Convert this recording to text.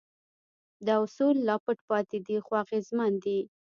دا اصول لا پټ پاتې دي خو اغېزمن دي.